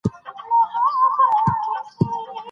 په اسلام کې د ښځو حقوقو ته ډیره پاملرنه شوې ده.